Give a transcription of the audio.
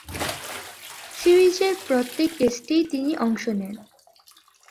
সিরিজের প্রত্যেক টেস্টেই তিনি অংশ নেন।